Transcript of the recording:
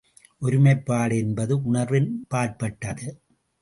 ஒருமைப்பாடு என்பது உணர்வின் பாற்பட்டது.